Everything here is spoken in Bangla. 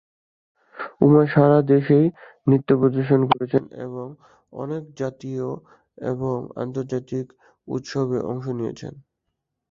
উমা সারা দেশেই নৃত্য প্রদর্শন করেছেন এবং অনেক জাতীয় এবং আন্তর্জাতিক উৎসবে অংশ নিয়েছেন।